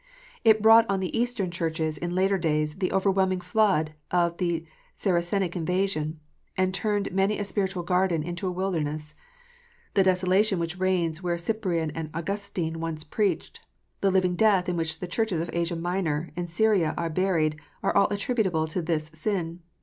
It brought on the Eastern Churches, in later days, the overwhelming flood of the Saracenic invasion, and tnirned many a spiritual garden into a wilderness. The desola tion which reigns where Cyprian and Augustine once preached, the living death in which the Churches of Asia Minor and Syria are buried, are all attributable to this sin.